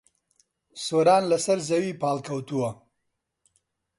سۆران لەسەر زەوی پاڵکەوتووە.